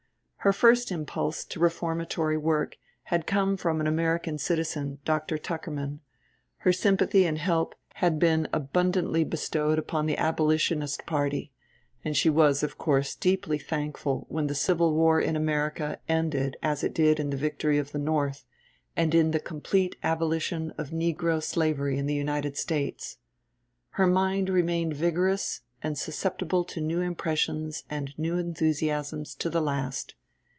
Her first impulse to reformatory work had come from an American citizen, Dr. Tuckerman; her sympathy and help had been abundantly bestowed upon the Abolitionist party, and she was of course deeply thankful when the Civil War in America ended as it did in the victory of the North, and in the complete abolition of negro slavery in the United States. Her mind remained vigorous and susceptible to new impressions and new enthusiasms to the last.